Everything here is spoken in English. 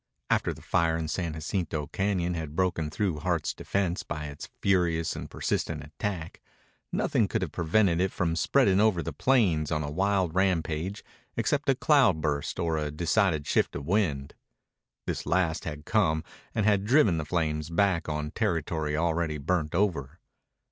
After the fire in San Jacinto Cañon had broken through Hart's defense by its furious and persistent attack, nothing could have prevented it from spreading over the plains on a wild rampage except a cloudburst or a decided shift of wind. This last had come and had driven the flames back on territory already burnt over.